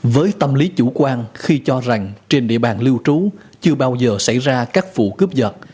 với tâm lý chủ quan khi cho rằng trên địa bàn lưu trú chưa bao giờ xảy ra các vụ cướp giật